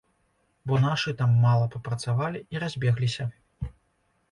Бо нашы там мала папрацавалі і разбегліся.